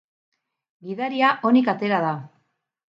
Gidaria onik atera da.